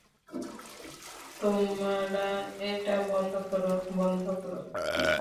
তোমারা এটা বন্ধ করো, বন্ধ করো।